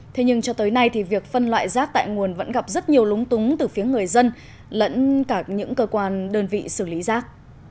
thế nhưng cho tới nay thì việc phân loại rác tại nguồn vẫn gặp rất nhiều lúng túng từ phía người dân lẫn cả những cơ quan đơn vị xử lý rác